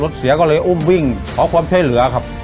เสียก็เลยอุ้มวิ่งขอความช่วยเหลือครับ